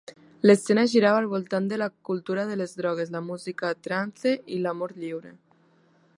L'escena girava al voltant de la cultura de les drogues, la música trance i l'amor lliure.